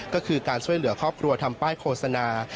ก็คือการช่วยเหลือครอบครัวทำป้ายโฆษณา